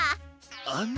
あの。